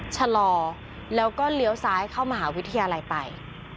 ชะลอแล้วก็เลี้ยวซ้ายเข้ามหาวิทยาลัยไป